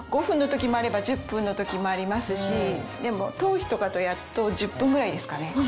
５分の時もあれば１０分の時もありますしでも頭皮とかとやると１０分ぐらいですかね。